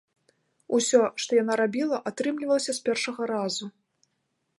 Усё, што яна рабіла, атрымлівалася з першага разу.